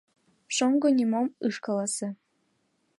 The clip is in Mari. Шоҥго нимом ыш каласе.